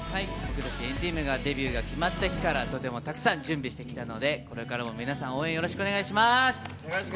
＆ＴＥＡＭがデビューが決まってから、とてもたくさん準備してきたので、これからも皆さん応援よろしくお願いします。